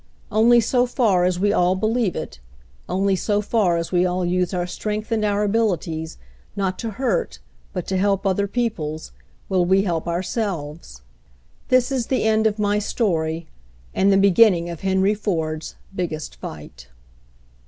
Only so far as we all believe it, only so far as we all use our strength and our abilities, not to hurt, but to help, other peoples, will we help our selves." This is the end of my story, and the beginning of Henry Ford's biggest fight.